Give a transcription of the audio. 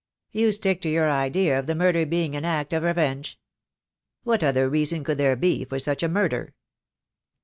"You stick to your idea of the murder being an act of revenge?" "What other reason could there be for such a murder?"